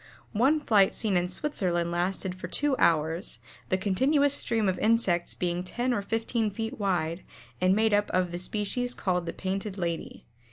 One flight seen in Switzerland lasted for two hours, the continuous stream of insects being ten or fifteen feet wide and made up of the species called the Painted Lady.